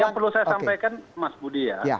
yang perlu saya sampaikan mas budi ya